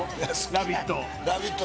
ラヴィット！